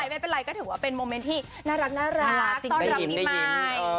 ไม่เป็นไรก็ถือว่าเป็นโมเมนต์ที่น่ารักต้อนรับปีใหม่